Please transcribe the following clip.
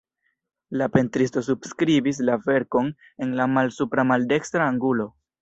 La pentristo subskribis la verkon en la malsupra maldekstra angulo.